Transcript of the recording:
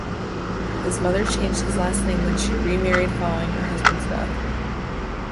His mother changed his last name when she remarried following her husband's death.